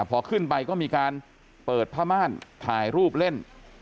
พอขึ้นไปก็มีการเปิดผ้าม่านถ่ายรูปเล่น